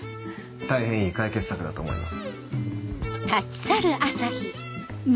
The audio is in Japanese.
大変いい解決策だと思います。